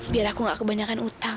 biar aku gak kebanyakan utang